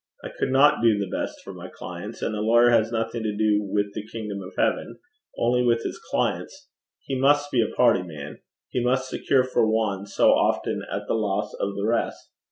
I could not do the best for my clients. And a lawyer has nothing to do with the kingdom of heaven only with his clients. He must be a party man. He must secure for one so often at the loss of the rest.